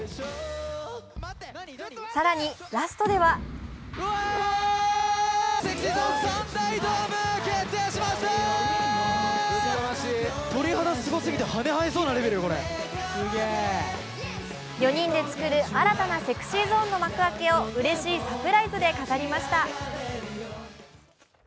更に、ラストでは４人で作る新たなＳｅｘｙＺｏｎｅの幕開けをうれしいサプライズで飾りました。